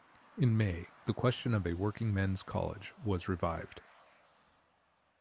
In May the question of a Working Men's College was revived.